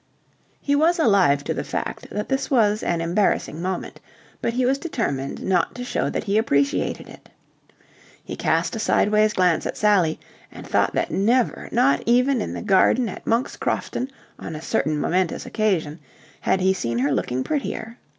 He was alive to the fact that this was an embarrassing moment, but he was determined not to show that he appreciated it. He cast a sideways glance at Sally, and thought that never, not even in the garden at Monk's Crofton on a certain momentous occasion, had he seen her looking prettier.